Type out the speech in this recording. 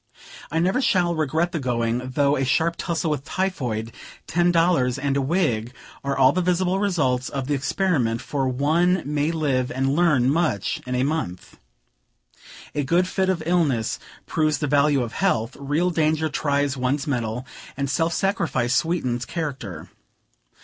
I never shall regret the going, though a sharp tussle with typhoid, ten dollars, and a wig, are all the visible results of the experiment; for one may live and learn much in a month. A good fit of illness proves the value of health; real danger tries one's mettle; and self sacrifice sweetens character.